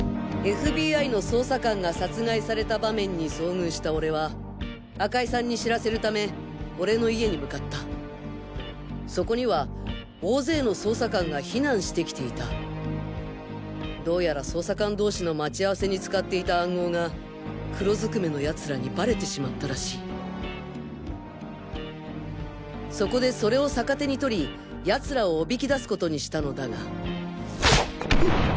ＦＢＩの捜査官が殺害された場面に遭遇した俺は赤井さんに知らせるため俺の家に向かったそこには大勢の捜査官が避難してきていたどうやら捜査官同士の待ち合わせに使っていた暗号が黒ずくめの奴らにバレてしまったらしいそこでそれを逆手に取り奴らを誘き出すことにしたのだがうっ！